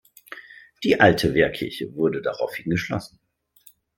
Die alte Wehrkirche wurde daraufhin geschlossen.